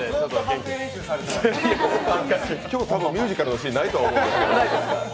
今日ミュージカルのシーンないと思いますけど。